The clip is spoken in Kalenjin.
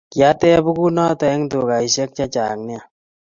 Kiatep bukut noto eng tukaisiek chechang nea